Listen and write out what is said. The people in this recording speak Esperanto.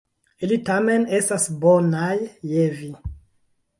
Ili tamen estas bonaj je vi.